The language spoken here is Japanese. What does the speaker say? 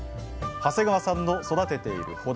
長谷川さんの育てているほだ